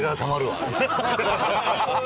ハハハハ！